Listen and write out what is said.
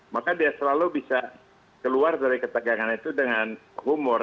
maka dia selalu bisa keluar dari ketegangan itu dengan humor